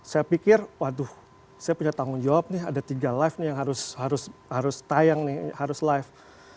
saya pikir waduh saya punya tanggung jawab nih ada tiga live nih yang harus tayang nih harus live